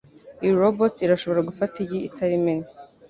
Iyi robot irashobora gufata igi itayimennye.